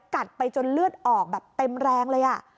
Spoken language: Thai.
กัดไปจนเลือดออกแบบเต็มแรงเลย